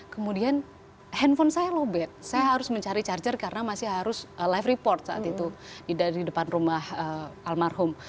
kemudian handphone saya lobet saya harus mencari charger karena masih harus live report saat itu di depan rumah almarhum